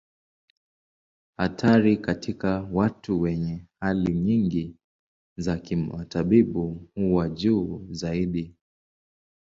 Hatari katika watu wenye hali nyingi za kimatibabu huwa juu zaidi.